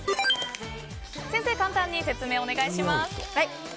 先生、簡単に説明をお願いします。